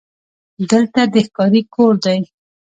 دلته د ښکاري کور دی: